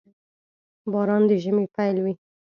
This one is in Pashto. • باران د ژمي پيل وي.